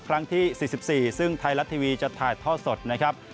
ครั้งที่๔๔ซึ่งไทยรัฐทีวีจะถ่ายท่อสดนะครับ